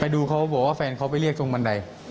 ดูเขาบอกว่าแฟนเขาไปเรียกตรงบันได